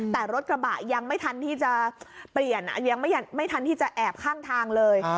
แต่รถกระบะยังไม่ทันที่จะเปลี่ยนยังไม่ทันที่จะแอบข้างทางเลย